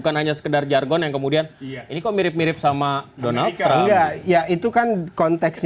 namun juga di insert